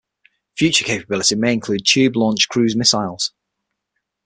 Future capability may include tube-launched cruise missiles.